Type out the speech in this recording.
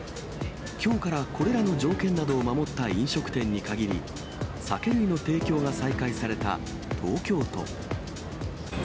きょうからこれらの条件などを守った飲食店に限り、酒類の提供が再開された東京都。